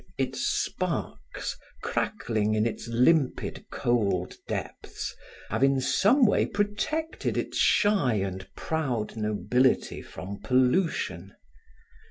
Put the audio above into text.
Its sparks, crackling in its limpid, cold depths have in some way protected its shy and proud nobility from pollution.